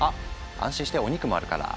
安心してお肉もあるから。